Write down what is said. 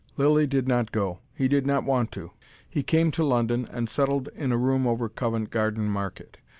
Lilly did not go: he did not want to. He came to London and settled in a room over Covent Garden market.